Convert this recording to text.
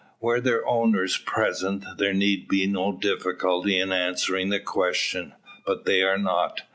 Were their owners present, there need be no difficulty in answering the question. But they are not.